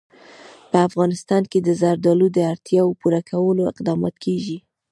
په افغانستان کې د زردالو د اړتیاوو پوره کولو اقدامات کېږي.